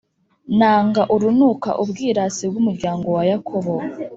Nanga urunuka ubwirasi bw’umuryango wa Yakobo,